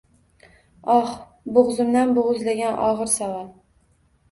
Oh, boʼgʼzimdan boʼgʼizlagan ogʼir savol